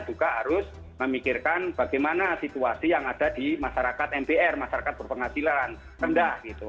juga harus memikirkan bagaimana situasi yang ada di masyarakat mpr masyarakat berpenghasilan rendah gitu